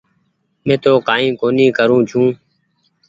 مين تو ڪآئي ڪونيٚ ڪي رو ڇي۔